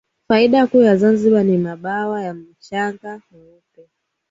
Faida kuu ya Zanzibar ni mabwawa ya mchanga mweupe